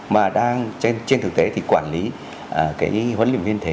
mà đang trên trên thực tế thì quản lý cái huấn luyện viên thể